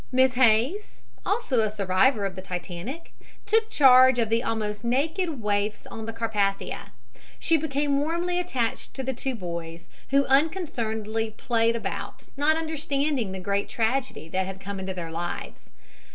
Miss Hays, also a survivor of the Titanic, took charge of the almost naked waifs on the Carpathia. She became warmly attached to the two boys, who unconcernedly played about, not understanding the great tragedy that had come into their lives.